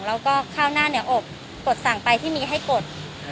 แล้วก็ข้าวหน้าเหนืออบกดสั่งไปที่มีให้กด